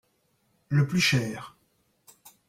Le plus cher.